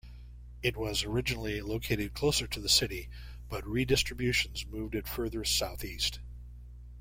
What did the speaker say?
It was originally located closer to the city, but redistributions moved it further south-east.